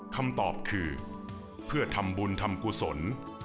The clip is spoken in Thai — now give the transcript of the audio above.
คำตอบคือเพื่อทำบุญทำกุศล